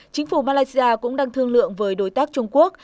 chính phủ malaysia cũng đang thương lượng với đối tác trung quốc